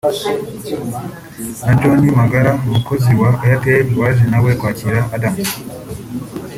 na John Magara umukozi wa Airtel waje nawe kwakira Adams